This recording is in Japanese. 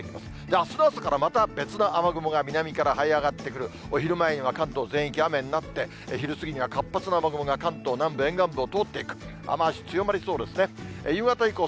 あすの朝からまた別の雨雲が南からはい上がってくる、お昼前には関東全域、雨になって、昼過ぎには活発な雨雲が関東南部、沿岸部を通っていく。